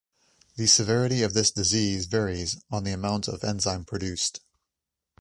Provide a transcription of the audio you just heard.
The severity of this disease varies on the amount of enzyme produced.